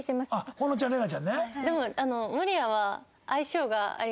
「保乃ちゃん」「麗奈ちゃん」ね。